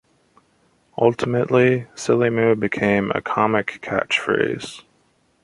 Ultimately "silly moo" became a comic catchphrase.